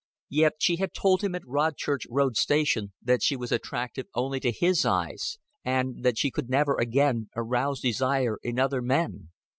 Yet she had told him at Rodchurch Road Station that she was attractive only to his eyes, and that she could never again arouse desire in other men.